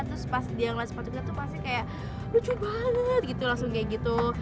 terus pas dia ngeliat sepatu kita tuh pasti kayak lucu banget gitu langsung kayak gitu